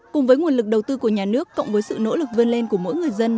cùng với nguồn lực đầu tư của nhà nước cộng với sự nỗ lực vươn lên của mỗi người dân